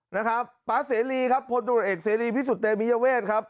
นะครับป๊าเสรีครับพลตรวจเอกเสรีพิสุทธิ์เตมียเวทครับ